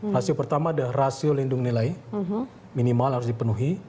rasio pertama ada rasio lindung nilai minimal harus dipenuhi